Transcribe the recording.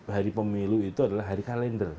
hari pemilu itu adalah hari kalender